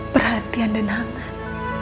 perhatian dan hangat